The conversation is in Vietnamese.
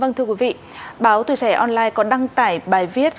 vâng thưa quý vị báo thủy sẻ online có đăng tải bài viết